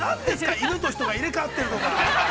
犬と人が入れ代わってるとか。